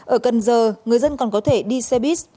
ở cần giờ người dân còn có thể đi xe buýt